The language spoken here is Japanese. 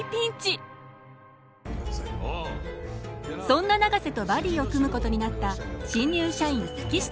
そんな永瀬とバディを組むことになった新入社員月下。